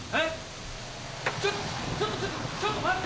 ちょっとちょっとちょっとちょっと待って！